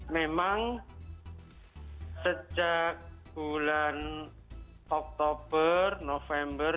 memang sejak bulan oktober november